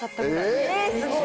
えすごい。